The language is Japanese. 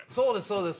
そうです